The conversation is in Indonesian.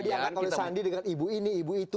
diangkat oleh sandi dengan ibu ini ibu itu